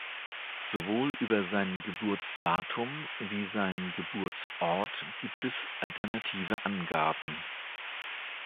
Sowohl über sein Geburtsdatum wie seinen Geburtsort gibt es alternative Angaben.